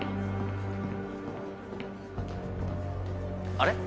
あれ？